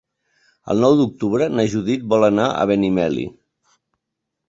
El nou d'octubre na Judit vol anar a Benimeli.